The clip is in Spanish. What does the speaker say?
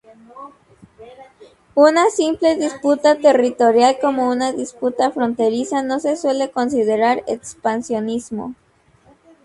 Una simple disputa territorial, como una disputa fronteriza, no se suele considerar expansionismo.